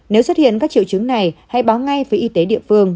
nếu xuất hiện các triệu chứng này hãy báo ngay với y tế địa phương